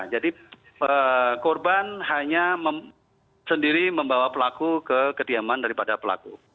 jadi korban hanya sendiri membawa pelaku ke kediaman daripada pelaku